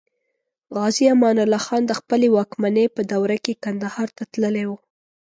غازي امان الله خان د خپلې واکمنۍ په دوره کې کندهار ته تللی و.